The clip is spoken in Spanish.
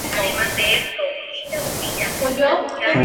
El segundo es de planta poligonal.